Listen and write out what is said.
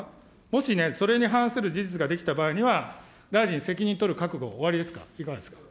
もしね、それに反する事実ができた場合には、大臣、責任取る覚悟、おありですか、いかがですか。